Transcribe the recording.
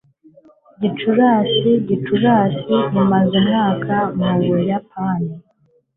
gicurasi [t] gicurasi imaze umwaka mu buyapani